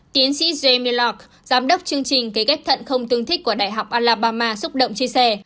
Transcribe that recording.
tiến sĩ jamie locke giám đốc chương trình kế ghép thận không tương thích của đại học alabama xúc động chia sẻ